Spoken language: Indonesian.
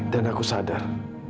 dan aku sadar